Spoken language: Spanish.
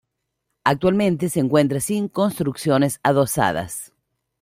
Actualmente se encuentra sin construcciones adosadas.